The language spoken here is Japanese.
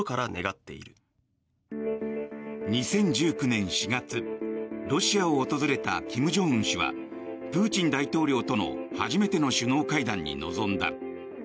２０１９年４月ロシアを訪れた金正恩氏はプーチン大統領との初めての首脳会談に臨んだ。